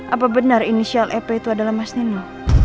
apa benar inisial ep itu adalah mas nino